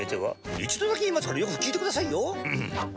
一度だけ言いますからよく聞いてくださいよ。